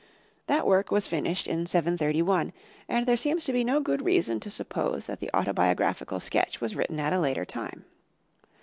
That work was finished in 731, and there seems to be no good reason to suppose that the autobiographical sketch was written at a later time.